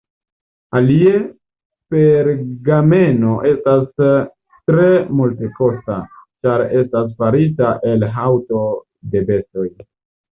Alie, pergameno estas tre multekosta, ĉar estas farita el haŭto de bestoj.